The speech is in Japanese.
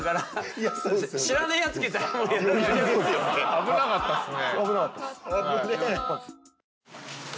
危なかったっすね。